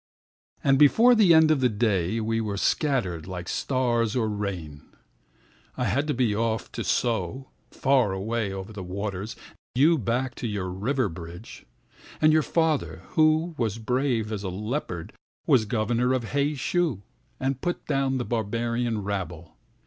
And before the end of the day we were scattered like stars or rain.I had to be off to So, far away over the waters, You back to your river bridge. And your father, who was brave as a leopard, Was governor in Hei Shu and put down the barbarian rabble.